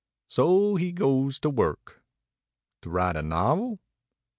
So he goes to work. To write a novel?